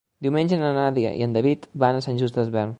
Diumenge na Nàdia i en David van a Sant Just Desvern.